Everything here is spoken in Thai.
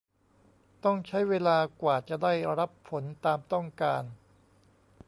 ต้องใช้เวลากว่าจะได้รับผลตามต้องการ